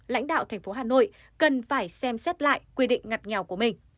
lãnh đạo thành phố hà nội cần phải xem xét lại quy định ngặt nghèo của mình